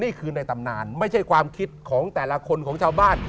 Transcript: นี่คือในตำนานไม่ใช่ความคิดของแต่ละคนของชาวบ้าน